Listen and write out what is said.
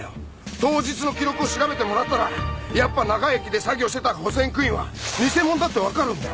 当日の記録を調べてもらったらやっぱり長井駅で作業してた保線区員は偽者だってわかるんだよ。